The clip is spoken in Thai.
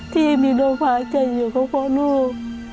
ที่มีโรงพยาบาลใจอยู่กับพ่อลูก